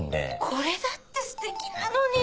これだってステキなのに！